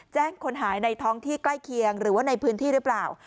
คนหายในท้องที่ใกล้เคียงหรือว่าในพื้นที่หรือเปล่า